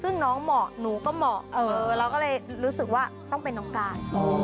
ซึ่งน้องเหมาะหนูก็เหมาะเราก็เลยรู้สึกว่าต้องเป็นน้องการ